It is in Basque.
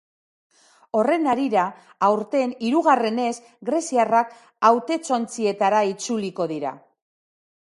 Horren harira, aurten hirugarrenez, greziarrak hautetsontzietara itzuliko dira.